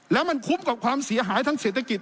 แล้วมันคุ้มกับความเสียหายทางเศรษฐกิจ